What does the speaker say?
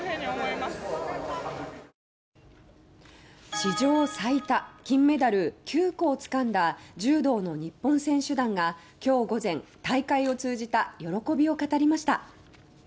史上最多金メダル９個をつかんだ柔道の日本選手団がきょう午前大会を通じた喜びを語りました。